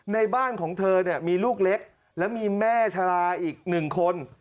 ในบ้านของเธอเนี่ยมีลูกเล็กแล้วมีแม่ชะลาอีกหนึ่งคน